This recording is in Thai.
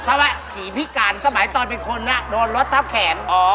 เขาวะขี่พิการสมัยตอนเป็นคนนะโดนลดทับแขน